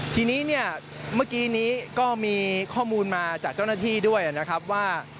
ทีนี้เนี่ยเมื่อกี้นี้ก็มีข้อมูลมาจากเจ้าหน้าที่ด้วยนะครับว่า